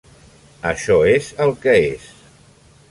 Això és el que és.